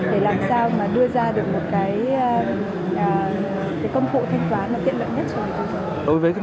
để làm sao đưa ra được công cụ thanh toán tiện lợi nhất cho người tiêu dùng